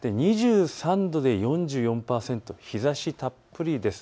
２３度で４４％、日ざしたっぷりです。